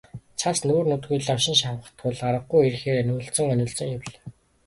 Цас нүүр нүдгүй лавшин шавах тул аргагүйн эрхээр анивалзан онилзон явлаа.